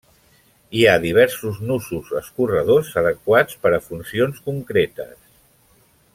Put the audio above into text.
Hi ha diversos nusos escorredors adequats per a funcions concretes.